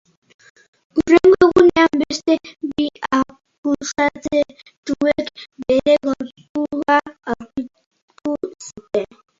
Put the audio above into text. Hurrengo egunean, beste bi akusatuek bere gorpua aurkitu zuten.